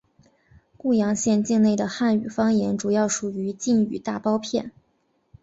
固阳县境内的汉语方言主要属于晋语大包片。